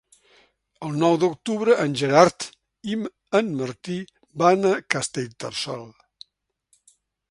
El nou d'octubre en Gerard i en Martí van a Castellterçol.